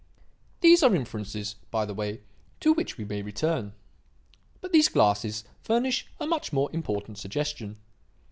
"These are inferences by the way, to which we may return. But these glasses furnish a much more important suggestion.